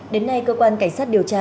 đến nay cơ quan cảnh sát điều tra